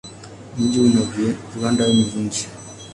Mji una viwanda vingi.